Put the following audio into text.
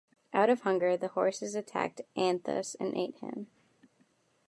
Out of hunger, the horses attacked Anthus and ate him.